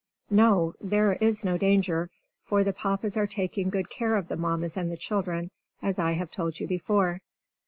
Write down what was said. No, there is no danger, for the Papas are taking good care of the Mammas and the children, as I have told you before.